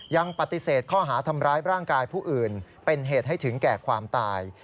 ยังปฏิเสธข้อหาทำร้ายร่างกายผู้อื่นเป็นเหตุให้ถึงแก่ความตาย